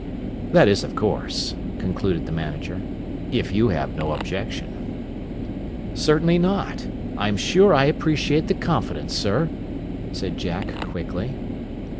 "That is, of course," concluded the manager, "if you have no objection." "Certainly not. I am sure I appreciate the confidence, sir," said Jack quickly.